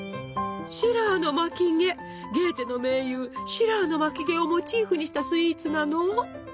ゲーテの盟友シラーの巻き毛をモチーフにしたスイーツなの。